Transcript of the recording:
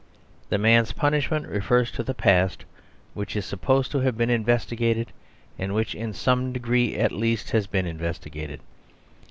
The man's punishment refers to the past, which is supposed to have been investigated, and which, in some degree at least, has been investigated.